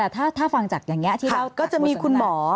ถ้าฟังจากอย่างนี้ที่เล่าก็จะมีคุณหมอ